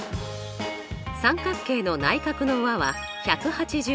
三角形の内角の和は１８０°。